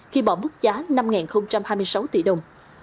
khi bỏ mức giá năm hai mươi sáu tỷ đồng